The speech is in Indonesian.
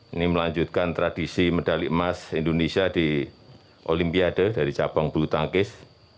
ini melanjutkan tradisi medali emas indonesia di olimpiade dari capang bulutangkis